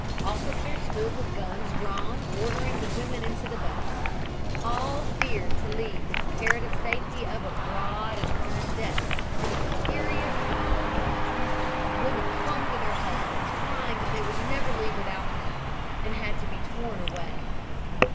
"Officers stood with drawn guns ordering the women into the boats. All feared to leave the comparative safety of a broad and firm deck for the precarious smaller boats. Women clung to their husbands, crying that they would never leave without them, and had to be torn away.